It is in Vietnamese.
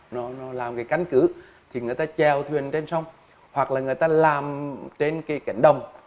nó làm cái cánh cử thì người ta treo thuyền trên sông hoặc là người ta làm trên cái cảnh đồng